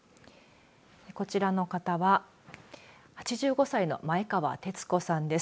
こちらの方は８５歳の前川テツ子さんです。